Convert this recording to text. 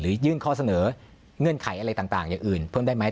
ยื่นข้อเสนอเงื่อนไขอะไรต่างอย่างอื่นเพิ่มได้ไหม